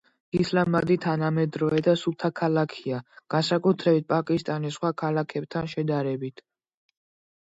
ისლამაბადი თანამედროვე და სუფთა ქალაქია, განსაკუთრებით პაკისტანის სხვა ქალაქებთან შედარებით.